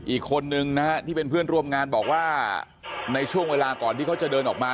อีกคนนึงนะฮะที่เป็นเพื่อนร่วมงานบอกว่าในช่วงเวลาก่อนที่เขาจะเดินออกมา